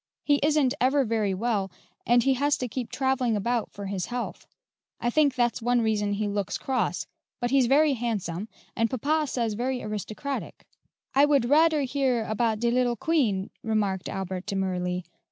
He isn't ever very well, and he has to keep travelling about for his health. I think that's one reason he looks cross; but he's very handsome, and papa says very aristocratic." "I would radcr hear about de little Queen," remarked Albert demurely.